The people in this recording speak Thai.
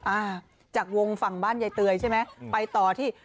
อ่าจากวงฝั่งบ้านยายเตยใช่ไหมไปต่อที่